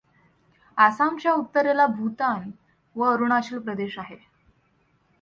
अासामच्या उत्तरेला भूतान व अरूणाचल प्रदेश आहे.